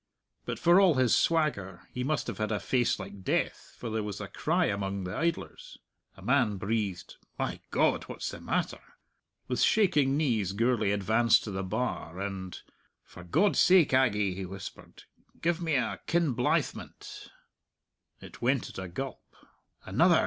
But for all his swagger he must have had a face like death, for there was a cry among the idlers. A man breathed, "My God! What's the matter?" With shaking knees Gourlay advanced to the bar, and, "For God's sake, Aggie," he whispered, "give me a Kinblythmont!" It went at a gulp. "Another!"